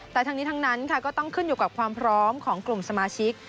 แต่ทั้งนี้ทั้งนั้นก็ต้องขึ้นอยู่กับความพร้อมของกลุ่มสมาชิก